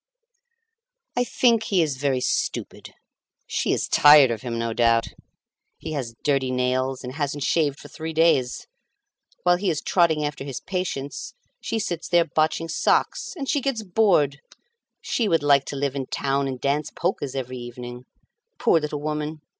"I think he is very stupid. She is tired of him, no doubt. He has dirty nails, and hasn't shaved for three days. While he is trotting after his patients, she sits there botching socks. And she gets bored! She would like to live in town and dance polkas every evening. Poor little woman!